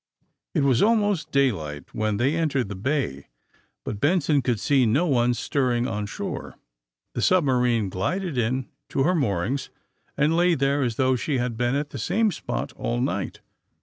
It was almost daylight when they entered the bay, but Benson could see no one stirring on shore. The submarine glided in to her moor ings, and lay there as though she had been at the same spot all night.